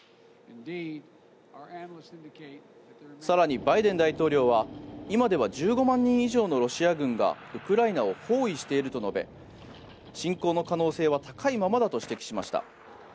更に、バイデン大統領は今では１５万人以上のロシア軍がウクライナを包囲していると述べ侵攻の可能性は高いままだと指摘しました。